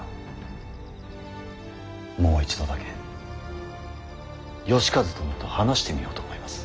もう一度だけ能員殿と話してみようと思います。